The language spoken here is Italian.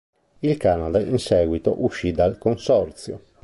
Il Canada in seguito uscì dal consorzio.